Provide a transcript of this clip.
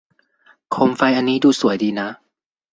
โคมไฟอันนี้ดูสวยดีนะ